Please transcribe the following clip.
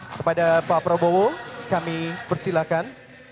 kepada pak prabowo kami persilahkan